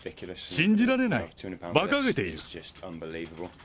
信じられない、ばかげている。